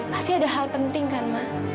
pasti ada hal penting kan mah